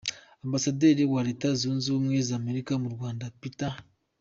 Ambasaderi wa Leta Zunze Ubumwe za Amerika mu Rwanda, Peter H.